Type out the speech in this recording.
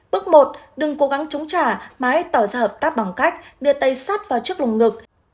bước một đừng cố gắng chống trả mãi tỏ ra hợp tác bằng cách đưa tay sát vào trước lùng ngực